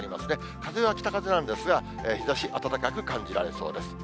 風は北風なんですが、日ざし暖かく感じられそうです。